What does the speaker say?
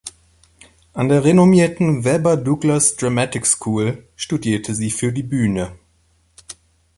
An der renommierten Webber-Douglas Dramatic School studierte sie für die Bühne.